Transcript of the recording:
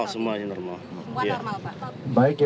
pak bagaimana dengan penerbangan lion air yang lain selain